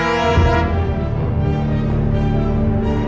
jangan lupa untuk berikan duit